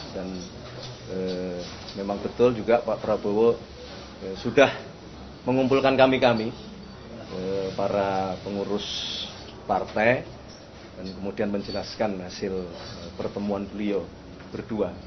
dan memang betul juga pak prabowo sudah mengumpulkan kami kami para pengurus partai dan kemudian menjelaskan hasil pertemuan beliau berdua